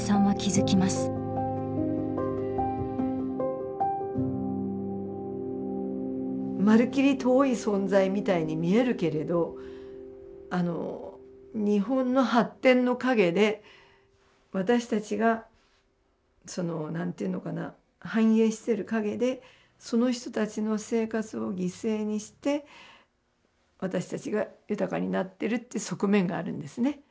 まるっきり遠い存在みたいに見えるけれど日本の発展の陰で私たちがその何て言うのかな繁栄している陰でその人たちの生活を犠牲にして私たちが豊かになっているっていう側面があるんですね。